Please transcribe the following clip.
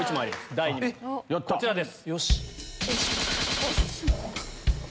第２問こちらです。